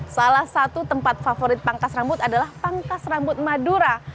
salah satu tempat favorit pangkas rambut adalah pangkas rambut madura